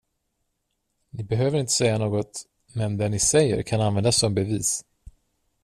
Ni behöver inte säga något, men det ni säger kan användas som bevis.